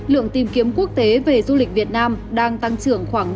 lượng tìm kiếm quốc tế về du lịch việt nam đang tăng trưởng khoảng năm mươi bảy mươi năm